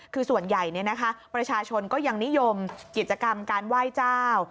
คือส่วนใหญ่ประชาชนก็ยังนิยมกิจกรรมการไหว้เจ้า